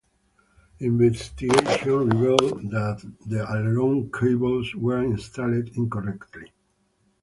The investigation revealed that the aileron cables were installed incorrectly.